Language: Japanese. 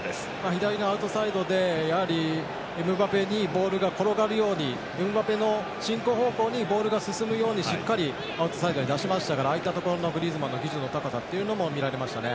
左のアウトサイドでエムバペにボールが転がるようにエムバペの進行方向にボールが進むようにしっかりアウトサイドで出しましたからああいったところのグリーズマンの技術の高さも見られましたね。